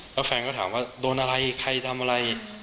แล้วแฟนก็ถามว่าโดนอะไรใครทำอะไร